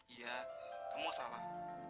iya kamu salah